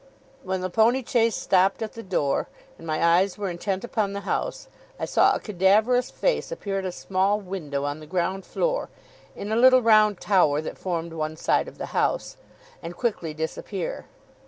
When the pony chaise stopped at the door, and my eyes were intent upon the house, I saw a cadaverous face appear at a small window on the ground floor (in a little round tower that formed one side of the house), and quickly disappear.